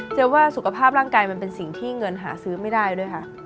ว่าสุขภาพร่างกายมันเป็นสิ่งที่เงินหาซื้อไม่ได้ด้วยค่ะ